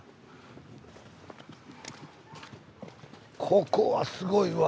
ここはすごいわ！